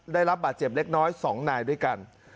ได้รับบาดเจ็บเล็กน้อย๒นายด้วยกัน